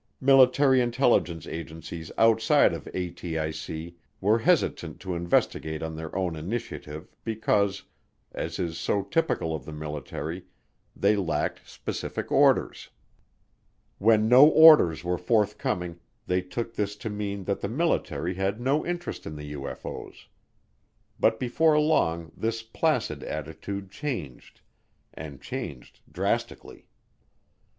Military intelligence agencies outside of ATIC were hesitant to investigate on their own initiative because, as is so typical of the military, they lacked specific orders. When no orders were forthcoming, they took this to mean that the military had no interest in the UFO's. But before long this placid attitude changed, and changed drastically.